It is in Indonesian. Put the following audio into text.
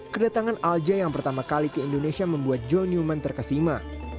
kedatangan al j yang pertama kali ke indonesia membuat joe newman terkesima